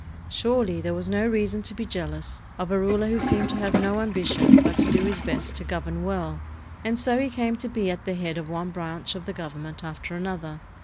Surely, there was no reason to be jealous of a ruler who seemed to have no ambition but to do his best to govern well; and so he came to be at the head of one branch of the Government after another.